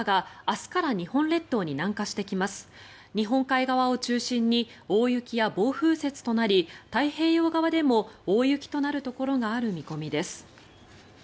日本海側を中心に大雪や暴風雪となり太平洋側でも大雪となるところがある見込みです。